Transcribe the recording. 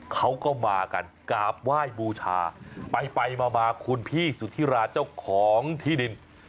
เขาก็มากันกราบไหว้บูชาไปไปมาคุณพี่สุธิราเจ้าของที่ดิน